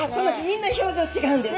みんな表情違うんです。